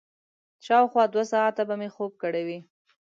شاوخوا دوه ساعته به مې خوب کړی وي.